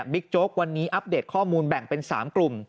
โจ๊กวันนี้อัปเดตข้อมูลแบ่งเป็น๓กลุ่ม